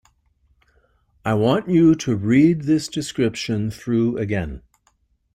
I want you to read this description through again.